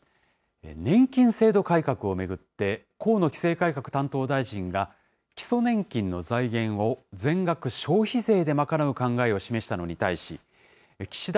年金制度改革を巡って、河野規制改革担当大臣が、基礎年金の財源を全額消費税で賄う考えを示したのに対し、岸田